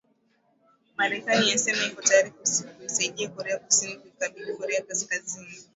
marekani yasema iko tayari kuisaidia korea kusini kuikabili korea kaskazini